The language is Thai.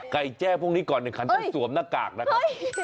แจ้พวกนี้ก่อน๑คันต้องสวมหน้ากากนะครับ